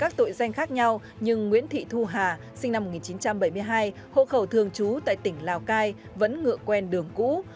các tội danh khác nhau nhưng nguyễn thị thu hà sinh năm một nghìn chín trăm bảy mươi hai hộ khẩu thường trú tại tỉnh lào cai vẫn ngựa quen đường cũ